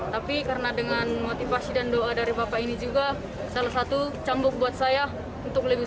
tapi karena dengan motivasi dan doa dari bapak ini juga salah satu cambuk buat saya untuk lebih